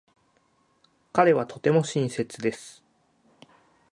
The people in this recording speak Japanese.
彼はとても親切です。